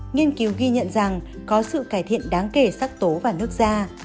nghiên cứu ghi nhận rằng có sự cải thiện đáng kể sắc tố và nước da